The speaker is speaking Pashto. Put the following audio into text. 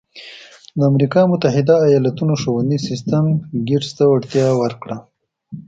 د امریکا متحده ایالتونو ښوونیز سیستم ګېټس ته وړتیا ورکړه.